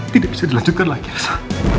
tidak bisa dilanjutkan lagi asal